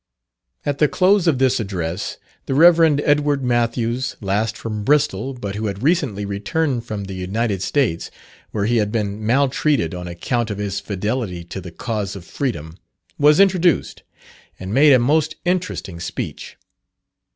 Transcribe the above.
At the close of this address, the Rev. Edward Matthews, last from Bristol, but who had recently returned from the United States, where he had been maltreated on account of his fidelity to the cause of freedom, was introduced, and made a most interesting speech.